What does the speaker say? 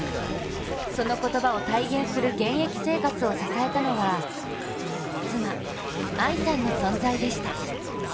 その言葉を体現する現役生活を支えたのは妻・愛さんの存在でした。